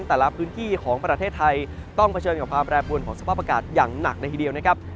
แต่ละพื้นที่ของประเทศไทยต้องเผชิญกับความแปรปวนของสภาพอากาศอย่างหนักเลยทีเดียวนะครับ